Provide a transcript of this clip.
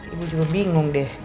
ibu juga bingung deh